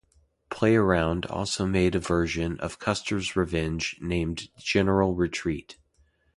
Playaround also made a version of "Custer's Revenge" named General Retreat.